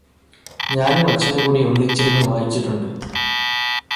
ഞാനും അച്ഛനും കൂടി ഒന്നിച്ചിരുന്ന് വായിച്ചിട്ടുണ്ട്